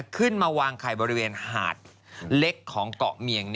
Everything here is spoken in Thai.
ขึ้นมาวางไข่บริเวณหาดเล็กของเกาะเมียง